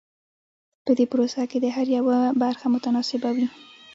په دې پروسه کې د هر یوه برخه متناسبه وي.